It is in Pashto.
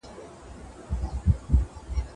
زه کولای سم چپنه پاک کړم.